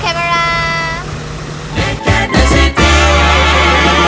บ๊ายบายแคเมอร์ร่า